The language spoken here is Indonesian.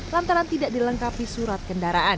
lantaran tidak dilengkapi surat kendaraan